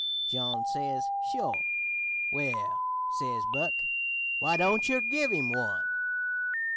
John says: 'Sure.' "'Well,' says Buck, 'why don't yer give him one?'